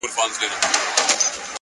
لا به په تا پسي توېږي اوښکي.